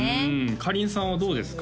かりんさんはどうですか？